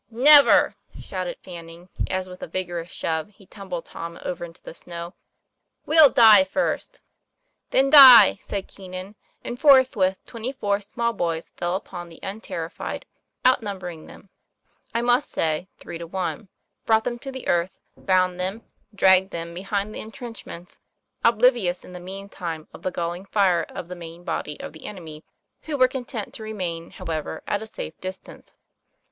'Never!" shouted Fanning, as with a vigorous shove he tumbled Tom over into the snow. "We'll die first." 'Then die!" said Keenan; and forthwith twenty four small boys fell upon the unterrified outnum bering them, I must say, three to one, brought them to the earth, bound them, dragged them behind the intrenchments, oblivious in the mean time of the galling fire of the main body of the enemy, who were content to remain, however, at a safe distance.